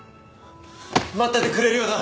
待っててくれるよな？